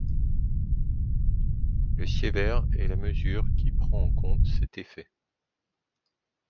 Le sievert est la mesure qui prend en compte cet effet.